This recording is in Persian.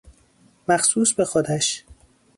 مخصوص به خودش